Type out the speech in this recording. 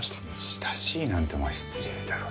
親しいなんてお前失礼だろ。